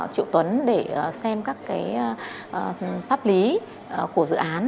triệu tuấn để xem các cái pháp lý của dự án